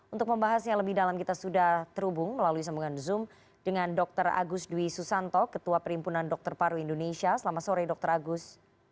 untuk membahasnya lebih dalam kita sudah terhubung melalui sambungan zoom dengan dr agus dwi susanto ketua perimpunan dokter paru indonesia selamat sore dr agus